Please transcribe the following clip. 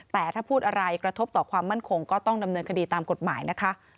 แต่ถ้าพูดอะไรกระทบต่อความมั่นคงก็ต้องดำเนินคดีตามกฎหมายนะคะ